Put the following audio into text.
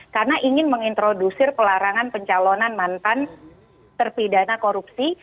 karena ingin mengintrodusir pelarangan pencalonan mantan terpidana korupsi